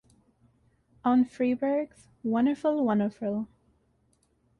On Freberg's Wun'erful, Wun'erful!